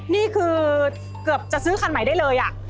นี่คือเกือบจะซื้อคันใหม่ได้เลย